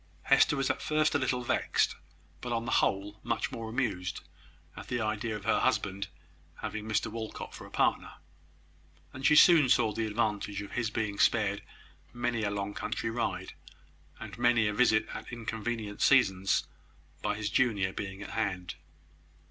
Hester was at first a little vexed, but on the whole much more amused, at the idea of her husband having Mr Walcot for a partner: and she soon saw the advantage of his being spared many a long country ride, and many a visit at inconvenient seasons, by his junior being at hand.